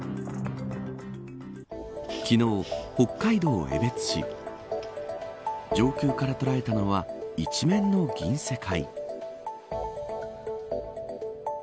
昨日、北海道江別市上空から捉えたのは一面の銀世界。